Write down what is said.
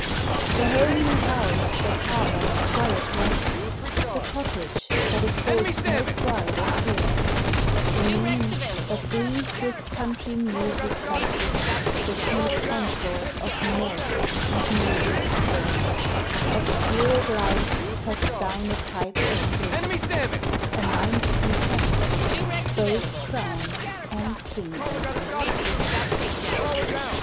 The homely house that harbors quiet rest, The cottage that affords no pride or care, The mean, that 'grees with country music best, The sweet consort of mirth's and music's fare. Obscured life sets down a type of bliss ; A mind content both crown and kingdom is.